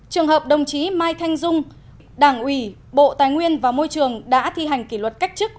trường hợp đồng chí mai thanh dung đảng ủy bộ tài nguyên và môi trường đã thi hành kỷ luật cách chức